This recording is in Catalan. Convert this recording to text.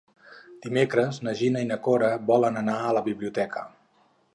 Dimecres na Gina i na Cora volen anar a la biblioteca.